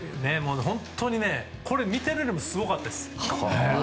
本当にこれを見ているのもすごかったです。